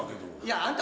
あんた。